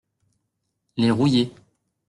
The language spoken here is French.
Les rouillés.